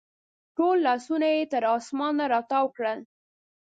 ټوله لاسونه یې تر اسمان راتاو کړل